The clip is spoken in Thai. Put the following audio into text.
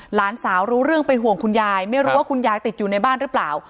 หลานสาวรู้เรื่องเป็นห่วงคุณยายไม่รู้ว่าคุณยายติดอยู่ในบ้านหรือเปล่า